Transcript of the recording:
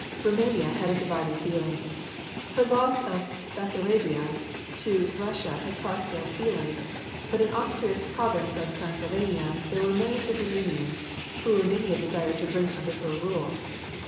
Roumania had a divided feeling. Her loss of Bessarabia to Russia had caused ill feeling, but in Austria's province of Transylvania there were millions of Roumanians, whom Roumania desired to bring under her rule.